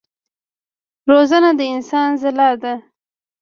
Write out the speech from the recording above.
روزنه د انسان ځلا ده.